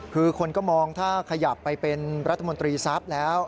คือคนก็มองถ้าขยับไปเป็นรัฐมนตรีทรัพย์แล้ว